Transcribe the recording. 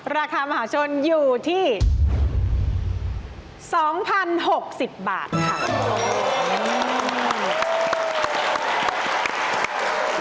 ราคามหาชนอยู่ที่๒๐๖๐บาทค่ะ